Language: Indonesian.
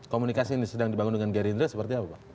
komunikasi yang sedang dibangun dengan gerindra seperti apa pak